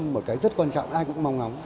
một cái rất quan trọng ai cũng mong ngóng